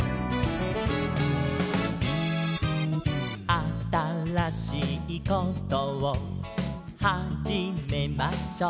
「あたらしいことをはじめましょう」